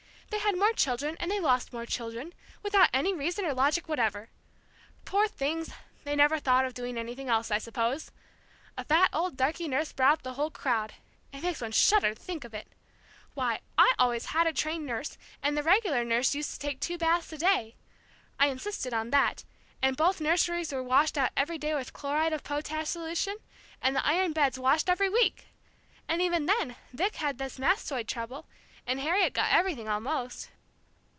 They had more children, and they lost more children, without any reason or logic whatever. Poor things, they never thought of doing anything else, I suppose! A fat old darky nurse brought up the whole crowd it makes one shudder to think of it! Why, I had always a trained nurse, and the regular nurse used to take two baths a day. I insisted on that, and both nurseries were washed out every day with chloride of potash solution, and the iron beds washed every week! And even then Vic had this mastoid trouble, and Harriet got everything, almost."